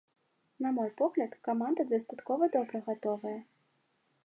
На мой погляд, каманда дастаткова добра гатовая.